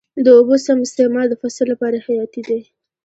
د اوبو سم استعمال د فصل لپاره حیاتي دی.